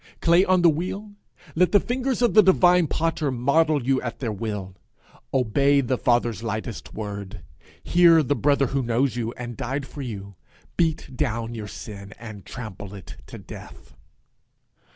Clay on the wheel, let the fingers of the divine potter model you at their will. Obey the Father's lightest word; hear the Brother who knows you, and died for you; beat down your sin, and trample it to death.